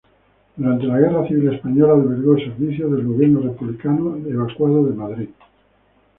Durante la guerra civil española albergó servicios del gobierno republicano evacuado de Madrid.